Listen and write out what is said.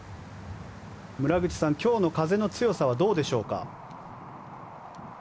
村口さん、今日の風の強さはどうでしょうか？